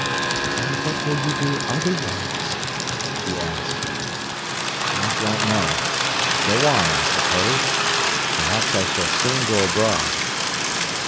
"And what will you do otherwise?" she asked. "I don't know—go on, I suppose. Perhaps I shall soon go abroad."